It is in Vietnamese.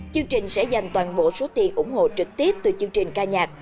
chương trình sẽ dành toàn bộ số tiền ủng hộ trực tiếp từ chương trình ca nhạc